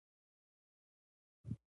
د کابل نخود څنګه دي؟